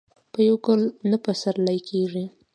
په یو ګل نه پسرلې کیږي.